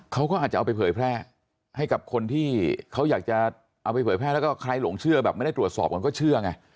เขาก็อาจจะเอาไปเผยแพร่ให้กับคนที่เขาอยากจะเอาไปเผยแพร่แล้วก็ใครหลงเชื่อแบบไม่ได้ตรวจสอบมันก็เชื่อไง